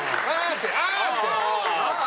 ああって。